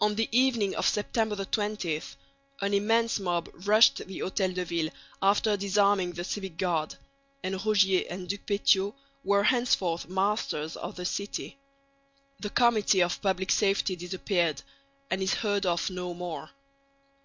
On the evening of September 20 an immense mob rushed the Hotel de Ville, after disarming the Civic Guard; and Rogier and Ducpétiaux were henceforth masters of the city. The Committee of Public Safety disappeared and is heard of no more.